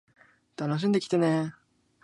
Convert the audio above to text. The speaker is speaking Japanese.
楽しんできてね